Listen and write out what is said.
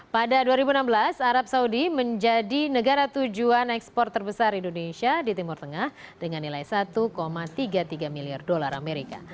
pada dua ribu enam belas arab saudi menjadi negara tujuan ekspor terbesar indonesia di timur tengah dengan nilai satu tiga puluh tiga miliar dolar amerika